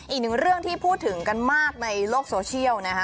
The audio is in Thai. อีกหนึ่งเรื่องที่พูดถึงกันมากในโลกโซเชียลนะคะ